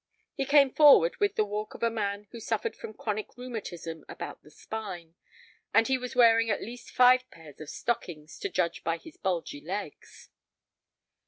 He came forward with the walk of a man who suffered from chronic rheumatism about the spine, and he was wearing at least five pairs of stockings, to judge by his bulgy legs.